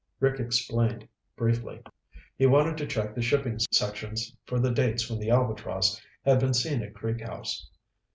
Rick explained briefly. He wanted to check the shipping sections for the dates when the Albatross had been seen at Creek House.